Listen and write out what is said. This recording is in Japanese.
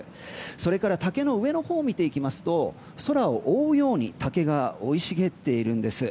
それから竹の上のほうを見ていきますと空を覆うように竹が生い茂っているんです。